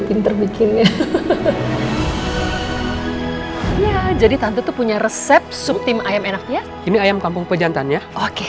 pinter bikinnya jadi tante punya resep sup tim ayam enaknya ini ayam kampung pejantan ya oke